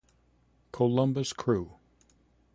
Columbus Crew